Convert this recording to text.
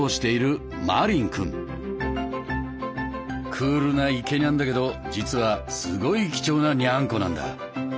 クールなイケニャンだけど実はすごい貴重なニャンコなんだ。